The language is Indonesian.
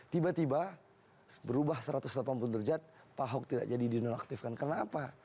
tiba tiba berubah satu ratus delapan puluh derajat pak ahok tidak jadi dinonaktifkan kenapa